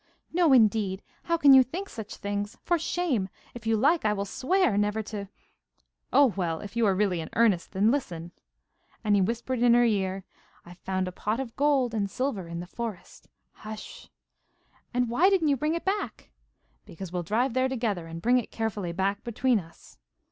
'No, indeed! How can you think such things! For shame! If you like I will swear never to ' 'Oh, well! if you are really in earnest then, listen.' And he whispered in her ear: 'I've found a pot full of gold and silver in the forest! Hush! ' 'And why didn't you bring it back?' 'Because we'll drive there together and bring it carefully back between us.